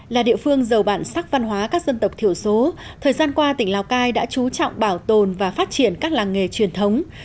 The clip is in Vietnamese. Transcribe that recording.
là địa phương giàu bản sắc văn hóa các dân tộc thiểu số thời gian qua tỉnh lào cai đã trú trọng bảo tồn và phát triển các làng nghề truyền thống